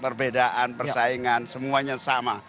perbedaan persaingan semuanya sama